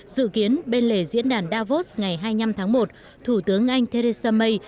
dự kiến bên lề diễn đàn davos ngày hai mươi năm tháng một thủ tướng anh theresa may